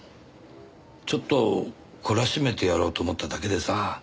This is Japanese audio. ちょっと懲らしめてやろうと思っただけでさあ。